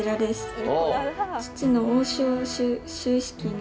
え！